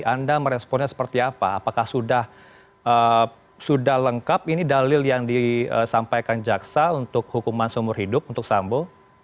anda meresponnya seperti apa apakah sudah lengkap ini dalil yang disampaikan jaksa untuk hukuman seumur hidup untuk sambo